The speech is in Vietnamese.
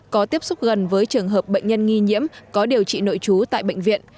có tiếp xúc gần với trường hợp bệnh nhân nghi nhiễm có điều trị nội trú tại bệnh viện